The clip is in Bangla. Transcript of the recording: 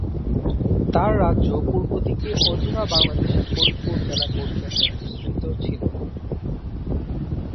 তাঁর রাজ্য পূর্ব দিকে অধুনা বাংলাদেশের ফরিদপুর জেলা পর্যন্ত বিস্তৃত ছিল।